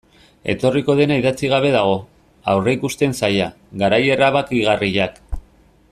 Etorriko dena idatzi gabe dago, aurreikusten zaila, garai erabakigarriak...